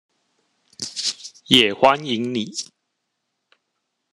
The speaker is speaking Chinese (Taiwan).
也歡迎你